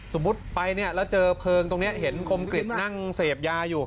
สมมุติไปเนี่ยแล้วเจอเพลิงตรงนี้เห็นคมกริจนั่งเสพยาอยู่